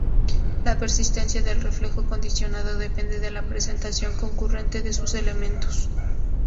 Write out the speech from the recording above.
La persistencia del reflejo condicionado depende de la presentación concurrente de sus elementos.